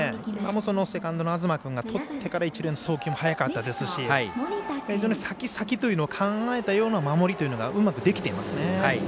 セカンドの東君がとってから、一塁への送球も早かったですし先、先というのを考えたような守りというのがうまくできていますね。